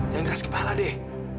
yang keras kepala deh